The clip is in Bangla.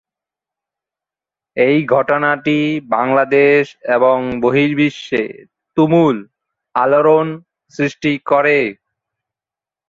এই ঘটনাটি বাংলাদেশ এবং বহির্বিশ্বে তুমুল আলোড়ন সৃষ্টি করে।